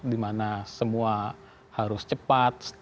di mana semua harus cepat